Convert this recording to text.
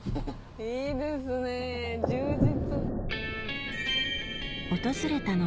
いいですね充実。